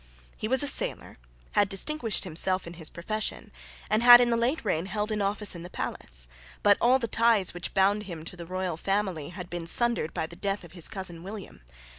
He was a sailor, had distinguished himself in his profession, and had in the late reign held an office in the palace. But all the ties which bound him to the royal family had been sundered by the death of his cousin William.